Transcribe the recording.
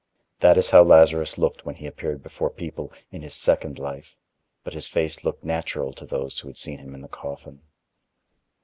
That is how Lazarus looked when he appeared before people, in his second life, but his face looked natural to those who had seen him in the coffin.